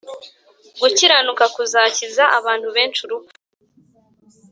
Gukiranuka kuzakiza abantu benshi urupfu